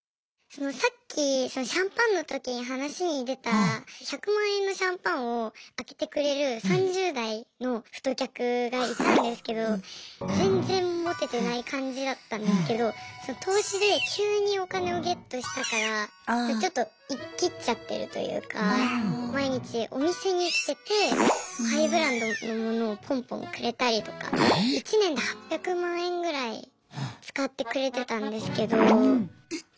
さっきシャンパンの時に話に出た１００万円のシャンパンを開けてくれる３０代の太客がいたんですけど全然モテてない感じだったんですけど投資で急にお金をゲットしたからちょっとイキッちゃってるというか毎日お店に来ててハイブランドのものをポンポンくれたりとか１年で８００万円ぐらい使ってくれてたんですけど。